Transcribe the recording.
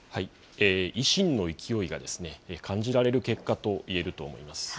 維新の勢いが感じられる結果といえると思います。